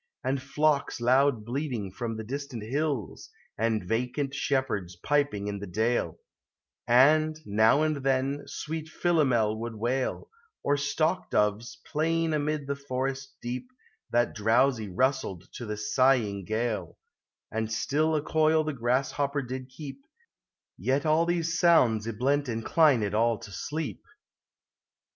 11T And flocks loud bleating from the distant hills, And vacant shepherds piping in the dale : And, now and then, sweet Philomel would wail, Or stockdoves plain amid the forest deep, That drowsy rustled to the sighing gale ; And still a coil the grasshopper did keep ; 5Tet all these sounds y blent inclined all to sleep.